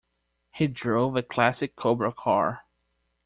He drove a classic Cobra car.